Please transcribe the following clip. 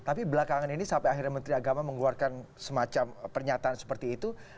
tapi belakangan ini sampai akhirnya menteri agama mengeluarkan semacam pernyataan seperti itu